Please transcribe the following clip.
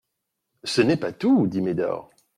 Ce n'est pas tout, dit Médor.